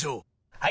はい！